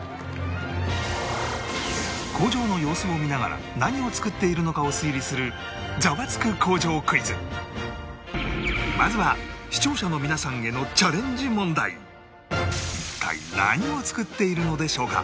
工場の様子を見ながら何を作っているのかを推理するまずは視聴者の皆さんへの一体何を作っているのでしょうか？